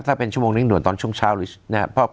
ถ้าเป็นชั่วโมงนี้หน่วงตอนช่วงเช้านะครับ